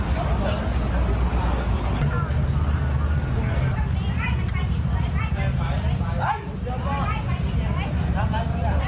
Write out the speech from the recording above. ส่วนขวา